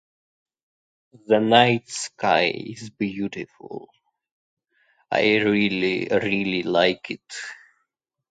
The night sky is beautiful. I really, really like it.